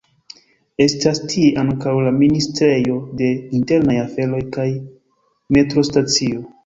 Estas tie ankaŭ la Ministrejo de Internaj Aferoj kaj metrostacio.